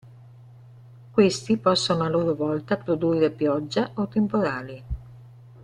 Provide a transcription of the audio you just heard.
Questi possono a loro volta produrre pioggia o temporali.